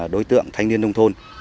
đối tượng thanh niên nông thôn